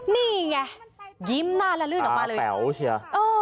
นี่ไงยิ้มหน้าและลื่นออกมาเลย